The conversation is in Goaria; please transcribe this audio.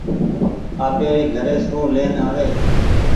آپيري گهري سون لين آوي ۔